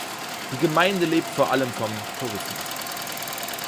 Die Gemeinde lebt vor allem vom Tourismus.